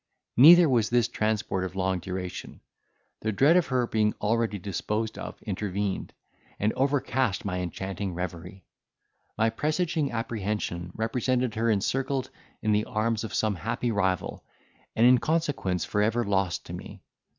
Neither was this transport of long duration. The dread of her being already disposed of intervened, and overcast my enchanting reverie! My presaging apprehension represented her encircled in the arms of some happy rival, and in consequence for ever lost to me.